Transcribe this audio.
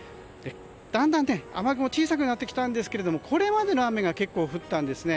だんだん雨雲が小さくなってきたんですがこれまでの雨が結構降ったんですね。